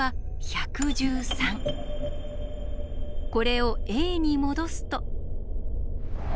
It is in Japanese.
これをＡに戻すと。